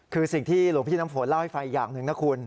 คือสิ่งที่หลวงพี่น้ำฝนเล่าให้ฟังอีกอย่างหนึ่งนะคุณ